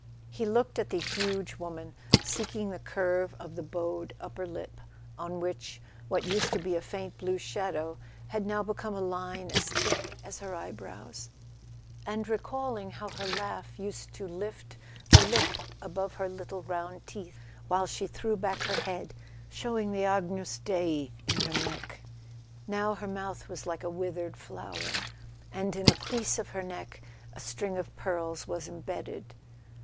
He looked at the huge woman, seeking the curve of the bowed upper lip on which what used to be a faint blue shadow had now become a line as thick as her eyebrows, and recalling how her laugh used to lift the lip above her little round [ 244 ] A SON AT THE FRONT teeth while she threw back her head, showing the Agnus Dei in her neck. Now her mouth was like a withered flower, and in a crease of her neck a string of pearls was embedded.